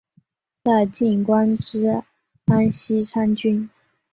在晋官至安西参军。